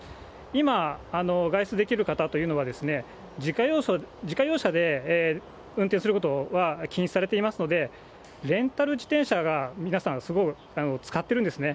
今、外出できる方というのは、自家用車で運転することは禁止されていますので、レンタル自転車が皆さん、すごい、使っているんですね。